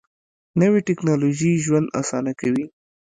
نوې ټیکنالوژي ژوند اسانه کوي